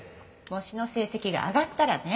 模試の成績が上がったらね。